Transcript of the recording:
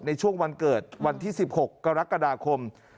ในช่วงวันเกิดวันที่๑๖กรกฎาคม